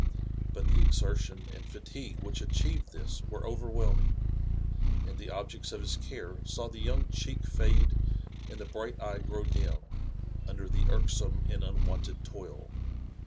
But the exertion and fatigue which achieved this were overwhelming, and the objects of his care saw the young cheek fade and the bright eye grow dim under the irksome and unwonted toil.